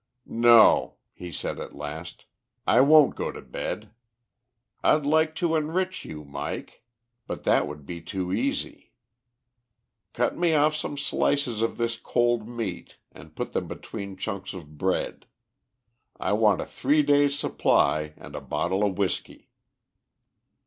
"No," he said at last, "I won't go to bed. I'd like to enrich you, Mike, but that would be too easy. Cut me off some slices of this cold meat and put them between chunks of bread. I want a three days' supply, and a bottle of whiskey."